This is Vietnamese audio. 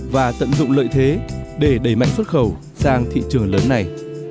và tận dụng lợi thế để đẩy mạnh xuất khẩu sang thị trường lớn này